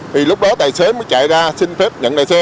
vì lúc đó tài xế mới chạy ra xin phép